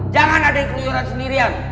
jangan ada yang keliuran sendirian